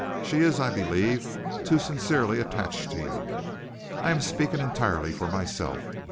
She is, I believe, too, sincerely attached to you. I am speaking entirely for myself.